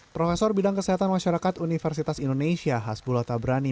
profesor bidang kesehatan masyarakat universitas indonesia hasbulata brani